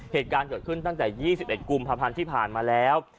เหตุการณ์เกิดขึ้นตั้งแต่๒๑กุมภาพันธ์ที่ผ่านมาแล้ว